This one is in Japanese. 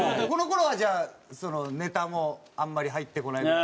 この頃はじゃあネタもあんまり入ってこない。